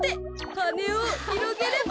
はねをひろげれば。